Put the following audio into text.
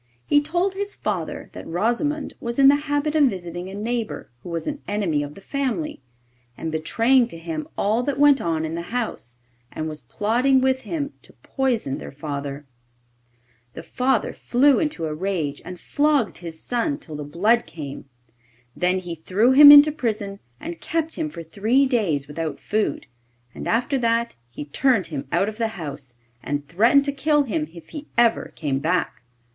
He told his father that Rosimond was in the habit of visiting a neighbour who was an enemy of the family, and betraying to him all that went on in the house, and was plotting with him to poison their father. The father flew into a rage, and flogged his son till the blood came. Then he threw him into prison and kept him for three days without food, and after that he turned him out of the house, and threatened to kill him if he ever came back.